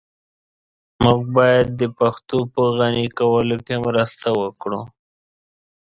موږ بايد د پښتو په غني کولو کي مرسته وکړو.